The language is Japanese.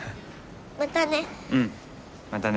またね。